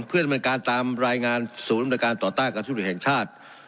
เพื่อดำเนินการตามรายงานศูนย์อุปการณ์ต่อต้านกับชุมศูนย์แห่งชาติ